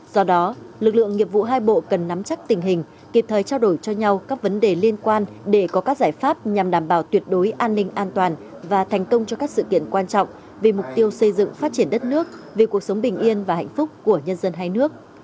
do đó lực lượng nghiệp vụ hai bộ cần nắm chắc tình hình kịp thời trao đổi cho nhau các vấn đề liên quan để có các giải pháp nhằm đảm bảo tuyệt đối an ninh an toàn và thành công cho các sự kiện quan trọng vì mục tiêu xây dựng phát triển đất nước vì cuộc sống bình yên và hạnh phúc của nhân dân hai nước